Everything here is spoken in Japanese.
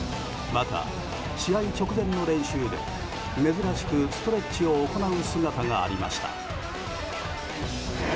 また、試合直前の練習で珍しくストレッチを行う姿がありました。